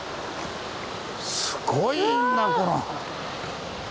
すごいなこの。